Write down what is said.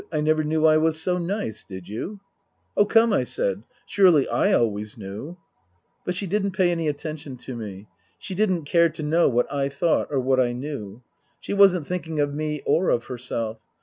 I never knew I was so nice, did you ?"" Oh, come," I said, " surely I always knew ?" But she didn't pay any attention to me. She didn't care to know what I thought or whaj: I knew. She wasn't thinking of me or of herself.